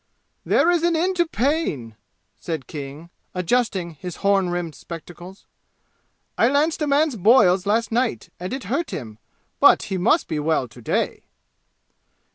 "There is an end to pain!" said King, adjusting his horn rimmed spectacles. "I lanced a man's boils last night, and it hurt him, but he must be well to day."